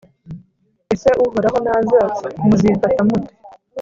Ese Uhoraho naza muzifata mute?